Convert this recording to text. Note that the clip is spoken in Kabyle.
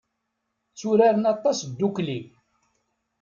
Tturaren aṭas ddukkli.